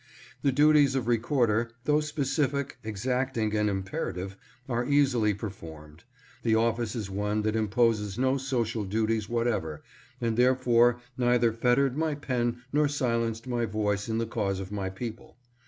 The duties of Recorder, though specific, exacting, and imperative, are easily performed. The office is one that imposes no social duties whatever, and therefore neither fettered my pen nor silenced my voice in the ACTIVITY IN BEHALF OF HIS PEOPLE. 639 cause of my people.